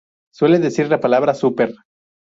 Suele decir la palabra "super".